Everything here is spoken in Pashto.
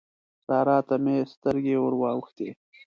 سارا ته مې سترګې ور واوښتې.